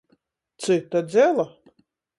Cyta dzela!